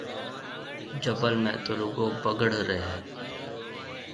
جبل ۾ تو رگو بگڙ رهيَ هيَ۔